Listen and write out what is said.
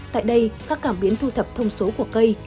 tại đây các cảm biến thu thập thông số của cây